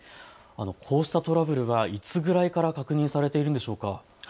こうしたトラブルはいつぐらいから確認されているんでしょうか。